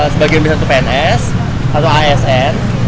sebagian besar itu pns atau asn